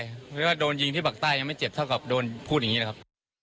เพราะว่าโดนยิงที่ปากใต้ยังไม่เจ็บเท่ากับโดนพูดอย่างนี้นะครับ